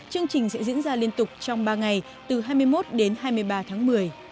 chương trình sẽ diễn ra liên tục trong ba ngày từ hai mươi một đến hai mươi ba tháng một mươi